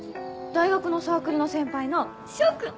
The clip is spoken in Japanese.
大学のサークルの先輩の翔クン！